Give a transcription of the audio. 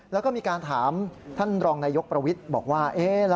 แล้วก็มีการถามท่านรองนายกประวิทย์บอกว่า